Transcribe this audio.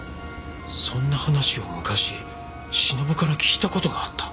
そんな話を昔忍から聞いた事があった。